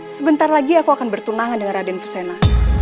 sebentar lagi aku akan bertunangan dengan raden pusena